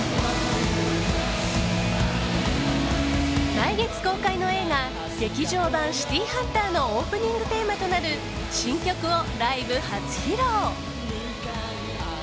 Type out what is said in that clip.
来月公開の映画「劇場版シティーハンター」のオープニングテーマとなる新曲をライブ初披露。